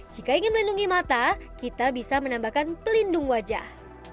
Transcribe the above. jika ingin melindungi mata kita bisa menambahkan pelindung wajah